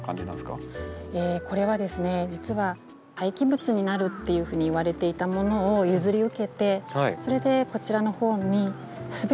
これは実は廃棄物になるっていうふうにいわれていたものを譲り受けてそれでこちらのほうにすべてですね